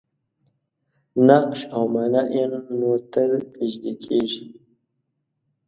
نقش او معنا یې نو ته نژدې کېږي.